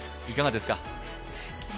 いかがですか？